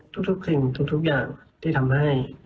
ทุกสิ่งทุกอย่างที่ทำให้